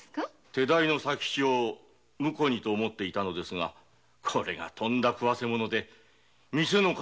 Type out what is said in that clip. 手代の佐吉をムコにと思っていたのですがこれが食わせ者で店の金を。